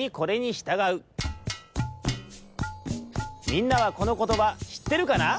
みんなはこのことばしってるかな？